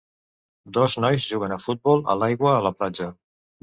Dos nois juguen a futbol a l'aigua a la platja.